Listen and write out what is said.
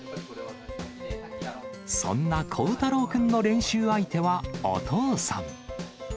そんな幸太朗君の練習相手はお父さん。